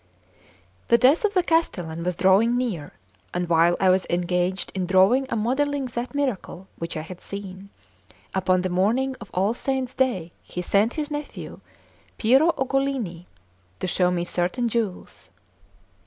The death of the castellan was drawing near; and while I was engaged in drawing and modelling that miracle which I had seen, upon the morning of All Saint's day he sent his nephew, Piero Ugolini, to show me certain jewels.